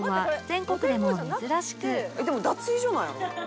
「でも脱衣所なんやろ？」